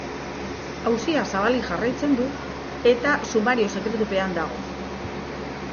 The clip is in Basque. Auzia zabalik jarraitzen du eta sumario-sekretupean dago.